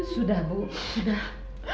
sudah bu sudah